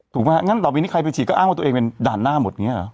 ถูกไหมงั้นต่อไปนี้ใครไปฉีดก็อ้างว่าตัวเองเป็นด่านหน้าหมดเนี่ยหรอ